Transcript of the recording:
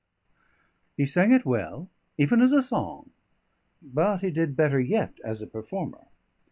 He sang it well, even as a song; but he did better yet as a performer.